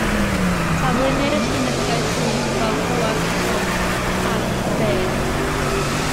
Taflunnir y llinellau syth fel bwa crwm ar y sffêr.